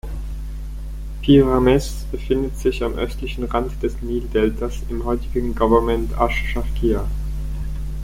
Pi-Ramesse befindet sich am östlichen Rand des Nildeltas, im heutigen Gouvernement Asch-Scharqiyya.